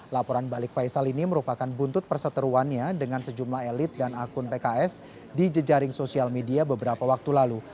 laporan balik faisal ini merupakan buntut perseteruannya dengan sejumlah elit dan akun pks di jejaring sosial media beberapa waktu lalu